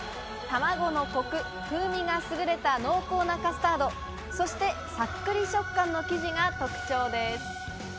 卵のコク、風味がすぐれた濃厚なカスタード、そしてサックリ食感の生地が特徴です。